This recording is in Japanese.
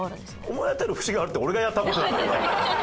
「思い当たる節がある」って俺がやった事だからね。